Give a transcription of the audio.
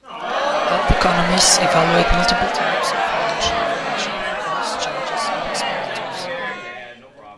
Health economists evaluate multiple types of financial information: costs, charges and expenditures.